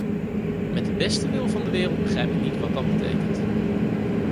Met de beste wil van de wereld begrijp ik niet wat dat betekent.